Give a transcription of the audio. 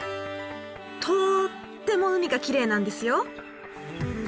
とっても海がきれいなんですよ。